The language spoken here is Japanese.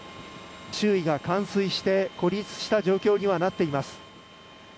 周囲が冠水して孤立した状態になっています。